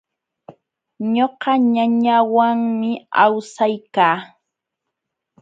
Ñuqa ñañawanmi awsaykaa.